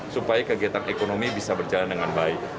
supaya kegiatan ekonomi bisa berjalan dengan baik